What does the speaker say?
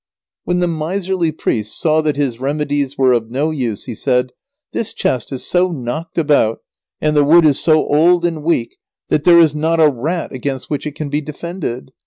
When the miserly priest saw that his remedies were of no use he said: "This chest is so knocked about, and the wood is so old and weak that there is not a rat against which it can be defended.